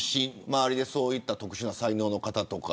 周りで、そういった特殊な才能の方とか。